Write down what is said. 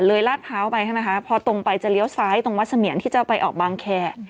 ลาดพร้าวไปใช่ไหมคะพอตรงไปจะเลี้ยวซ้ายตรงวัดเสมียนที่จะไปออกบางแคร์